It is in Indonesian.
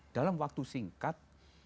dalam waktu singkat